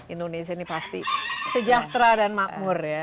indonesia ini pasti sejahtera dan makmur ya